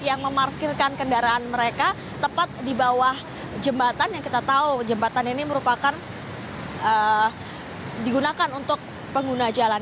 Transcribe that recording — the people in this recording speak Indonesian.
yang memarkirkan kendaraan mereka tepat di bawah jembatan yang kita tahu jembatan ini merupakan digunakan untuk pengguna jalan